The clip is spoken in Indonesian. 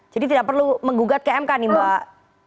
jadi tidak perlu menggugat ke mk nih mbak